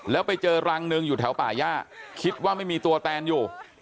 แล้วไปเจอรังหนึ่งอยู่แถวป่าย่าคิดว่าไม่มีตัวแตนอยู่